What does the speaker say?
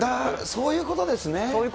そういうことですね。